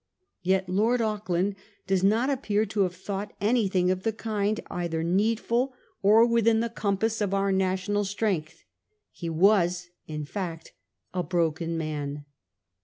Yet Lord Auckland does not appear to have thought anything of the kind either needful or within the compass of our national strength. He was, in fact, a broken man.